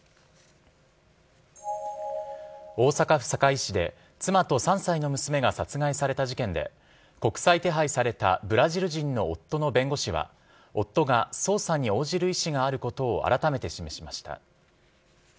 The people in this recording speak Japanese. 大阪府堺市で妻と３歳の娘が殺害された事件で国際手配されたブラジル人の夫の弁護士は夫が捜査に応じる意思があることをあらためて示しました。